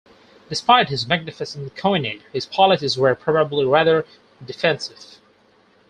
Despite his magnificent coinage, his policies were probably rather defensive.